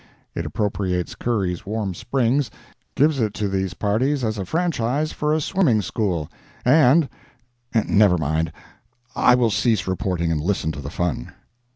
[It appropriates Curry's Warm Springs—gives it to these parties as a franchise for a swimming school—and—never mind, I will cease reporting and listen to the fun.